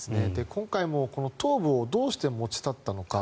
今回も頭部をどうして持ち去ったのか。